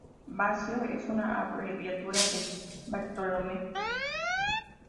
Baccio es una abreviatura de Bartolomeo.